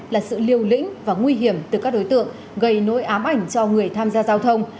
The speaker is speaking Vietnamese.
là sự liều lĩnh và nguy hiểm từ các đối tượng gây nỗi ám ảnh cho người tham gia giao thông